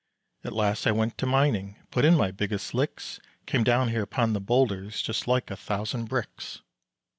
At last I went to mining, Put in my biggest licks, Came down upon the boulders Just like a thousand bricks.